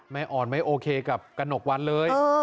อ่อนไม่โอเคกับกระหนกวันเลย